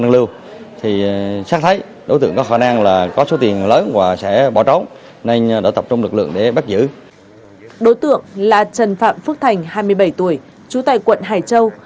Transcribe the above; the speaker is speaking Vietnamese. lãnh đạo công an quận cầm lệ đối tượng là trần phạm phước thành hai mươi bảy tuổi chú tài quận hải châu